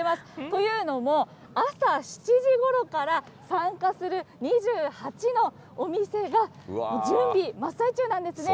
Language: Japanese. というのも、朝７時ごろから、参加する２８のお店が準備、真っ最中なんですね。